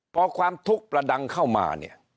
พอความทุกข์ประดังเข้ามา